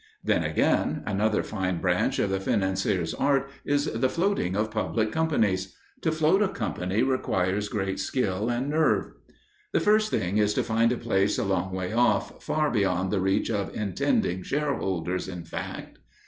Then, again, another fine branch of the financier's art is the floating of public companies. To float a company requires great skill and nerve. The first thing is to find a place a long way off, far beyond the reach of intending shareholders, in fact.